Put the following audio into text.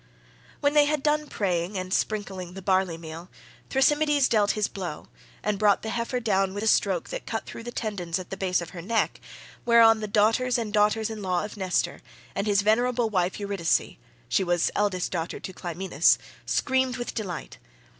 When they had done praying and sprinkling the barley meal32 Thrasymedes dealt his blow, and brought the heifer down with a stroke that cut through the tendons at the base of her neck, whereon the daughters and daughters in law of Nestor, and his venerable wife Eurydice (she was eldest daughter to Clymenus) screamed with delight.